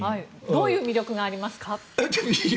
どういう魅力がありますか？